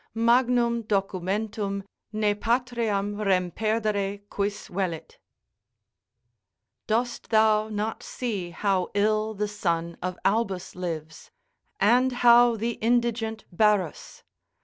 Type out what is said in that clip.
magnum documentum, ne patriam rein Perdere guis velit;" ["Dost thou not see how ill the son of Albus lives? and how the indigent Barrus?